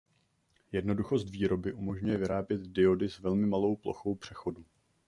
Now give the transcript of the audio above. Jednoduchost výroby umožňuje vyrábět diody s velmi malou plochou přechodu.